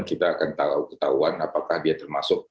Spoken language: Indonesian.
kita akan tahu ketahuan apakah dia termasuk